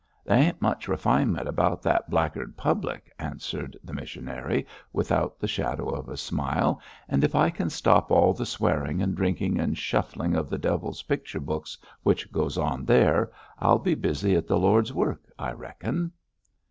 'There ain't much refinement about that blackguard public,' answered the missionary, without the shadow of a smile, 'and if I can stop all the swearing and drinking and shuffling of the devil's picture books which goes on there, I'll be busy at the Lord's work, I reckon.'